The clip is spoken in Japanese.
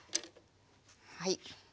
はい。